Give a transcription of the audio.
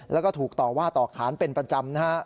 แล้วก็ถูกต่อว่าต่อขานเป็นประจำนะฮะ